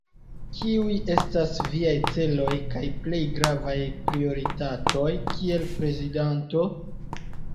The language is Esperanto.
Kiuj estas viaj celoj kaj plej gravaj prioritatoj kiel prezidanto?